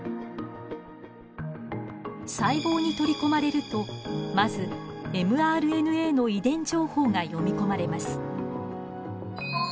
細胞に取り込まれるとまずｍＲＮＡの遺伝情報が読み込まれます。